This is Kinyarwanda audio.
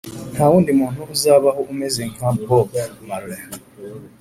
ntawundi muntu uzabaho umeze nka bob marley